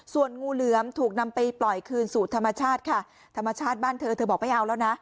ส่วนงูเหลือมถูกนำไปปล่อยคืนสู่ธรรมชาติค่ะธรรมชาติบ้านเธอเธอบอกไม่เอาแล้วนะ